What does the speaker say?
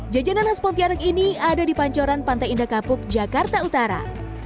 jajanan khas pontianak ini ada di pancoran pantai indah kapuk jakarta utara